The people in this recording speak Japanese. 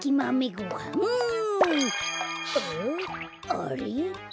あれ？